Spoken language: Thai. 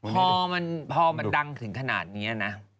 พอมันดังถึงขนาดนี้นะ